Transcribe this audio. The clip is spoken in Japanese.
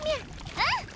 うん！